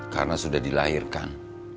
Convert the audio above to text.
karena sudah dilahirkan